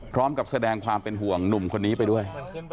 พร้อมกับแสดงความเป็นห่วงหนุ่มคนนี้ไปด้วย